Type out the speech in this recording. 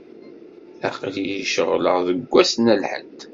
Aql-iyi ceɣleɣ seg wass n lḥedd.